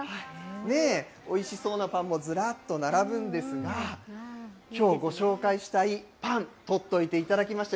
おいしそうなパンもずらっと並ぶんですが、きょうご紹介したいパン、取っといていただきました。